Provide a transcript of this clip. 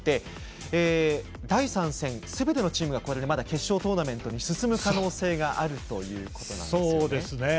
第３戦、すべてのチームがまだ決勝トーナメントに進む可能性があるということです。